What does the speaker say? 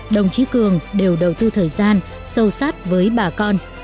đồng chí cường đều đầu tư thời gian sâu sát với bà con